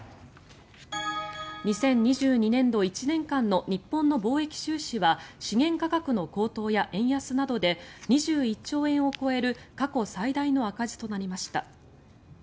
２０２２年度１年間の日本の貿易収支は資源価格の高騰や円安などで２１兆円を超える過去最大の赤字となりました。